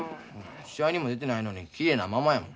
試合にも出てないのにきれいなままやもん。